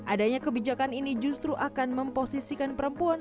adanya kebijakan ini justru akan memposisikan perempuan